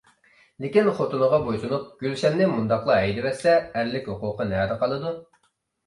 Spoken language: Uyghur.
لېكىن خوتۇنىغا بويسۇنۇپ، گۈلشەننى مۇنداقلا ھەيدىۋەتسە ئەرلىك ھوقۇقى نەدە قالىدۇ؟